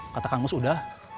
kata kang nus udah